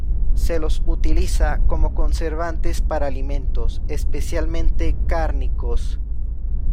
Se los utiliza como conservantes para alimentos, especialmente cárnicos.